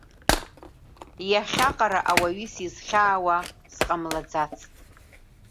Иахьаҟара ауаҩы сизхьаауа сҟамлацт.